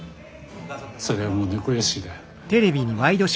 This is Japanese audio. そりゃもう猫屋敷だ。